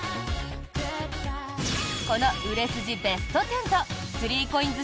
この売れ筋ベスト１０と３ＣＯＩＮＳ